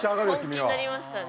本気になりましたね。